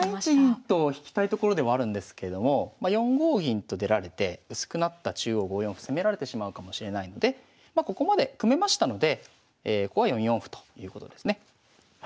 ３一銀と引きたいところではあるんですけれどもまあ４五銀と出られて薄くなった中央５四歩攻められてしまうかもしれないのでまあここまで組めましたのでここは４四歩ということですね。